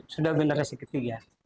sudah generasi ketiga